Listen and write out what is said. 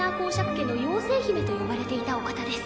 家の妖精姫と呼ばれていたお方です。